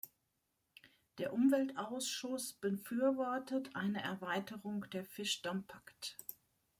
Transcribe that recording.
Der Umweltausschuss befürwortet eine Erweiterung der "Fiche d'impact" .